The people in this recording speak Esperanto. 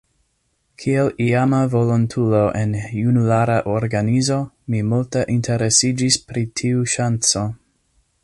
Kiel iama volontulo en junulara organizo, mi multe interesiĝis pri tiu ŝanco.